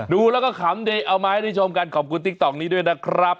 ดูแล้วก็ขำดีเอามาให้ได้ชมกันขอบคุณติ๊กต๊อกนี้ด้วยนะครับ